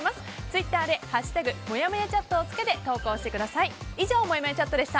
ツイッターで「＃もやもやチャット」をつけて投稿してください。